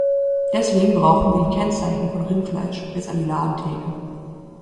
Deswegen brauchen wir die Kennzeichnung von Rindfleisch bis an die Ladentheke.